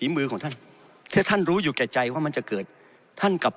มือของท่านถ้าท่านรู้อยู่แก่ใจว่ามันจะเกิดท่านกลับ